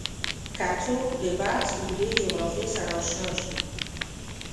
که څوک د بحث اوږدې جغرافیې سره اشنا شي